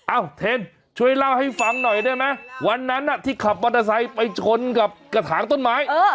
เทนช่วยเล่าให้ฟังหน่อยได้ไหมวันนั้นที่ขับมอเตอร์ไซค์ไปชนกับกระถางต้นไม้